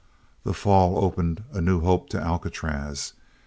That fall opened a new hope to Alcatraz.